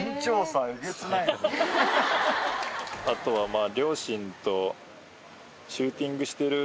あとはまぁ。